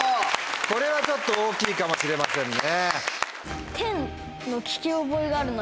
これはちょっと大きいかもしれませんね。